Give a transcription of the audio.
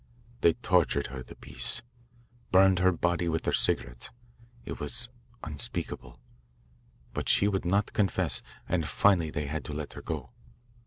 They tortured her, the beasts burned her body with their cigarettes. It was unspeakable. But she would not confess, and finally they had to let her go.